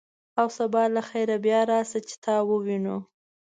او سبا له خیره بیا راشه، چې تا ووینو.